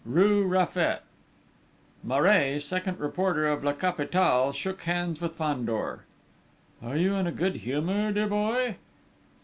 XIII RUE RAFFET Maray, second reporter of La Capitale, shook hands with Fandor. "Are you in a good humour, dear boy?"